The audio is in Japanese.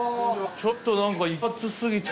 ちょっといかつすぎて。